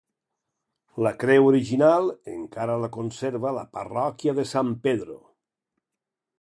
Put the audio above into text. La creu original encara la conserva la parròquia de San Pedro.